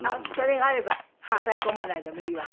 それがあれば押さえ込まないでもいいわけ？